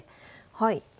はい。